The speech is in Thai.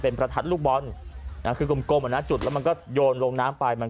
เป็นประทัดลูกบอลคือกลมอ่ะนะจุดแล้วมันก็โยนลงน้ำไปมัน